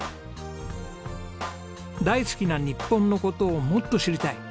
大好きな日本の事をもっと知りたい！